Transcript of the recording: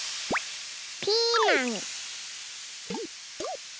ピーマン。